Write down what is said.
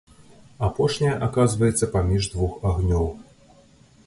Апошняя аказваецца паміж двух агнёў.